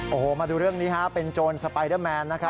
โอ้โหมาดูเรื่องนี้ฮะเป็นโจรสไปเดอร์แมนนะครับ